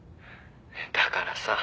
だからさ。